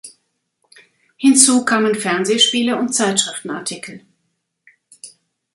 Hinzu kamen Fernsehspiele und Zeitschriftenartikel.